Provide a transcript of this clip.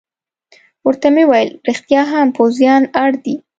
ورته مې وویل: رښتیا هم، پوځیان اړ دي.